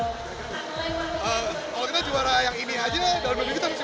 kalau kita juara yang ini aja dalam nilai kita harus lima puluh juta